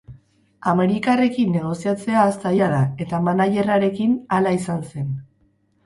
Amerikarrekin negoziatzea zaila da, eta managerrarekin hala izan zen.